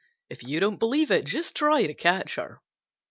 If you don't believe it just try to catch her.